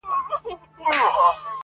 بې نصیبه له ارغنده پردی سوی له هلمنده -